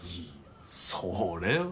それは。